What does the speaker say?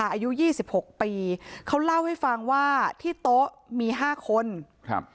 อายุยี่สิบหกปีเขาเล่าให้ฟังว่าที่โต๊ะมีห้าคนครับ